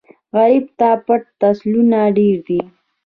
غریب ته پټ تسلونه ډېر دي